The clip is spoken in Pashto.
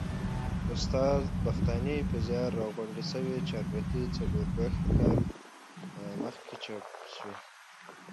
د استاد بختاني په زیار راغونډي سوې چاربیتې څلوبښت کال مخکي چاپ سوې.